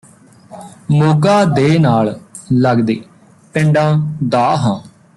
ਮੋਗਾ ਦੇ ਨਾਲ ਲੱਗਦੇ ਪਿੰਡਾਂ ਦਾ ਹਾਂ